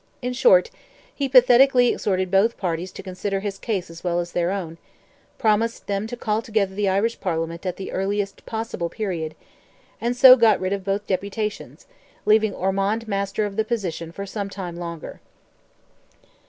In short, he pathetically exhorted both parties to consider his case as well as their own; promised them to call together the Irish Parliament at the earliest possible period; and so got rid of both deputations, leaving Ormond master of the position for some time longer.